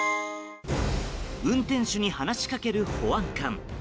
運転手に話しかける保安官。